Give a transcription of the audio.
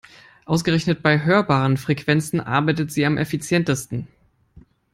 Ausgerechnet bei hörbaren Frequenzen arbeitet sie am effizientesten.